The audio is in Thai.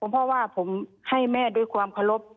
เพราะว่าผมให้แม่ด้วยความเคารพ